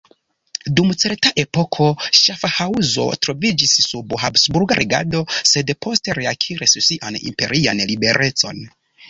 Dum certa epoko Ŝafhaŭzo troviĝis sub habsburga regado sed poste reakiris sian imperian liberecon.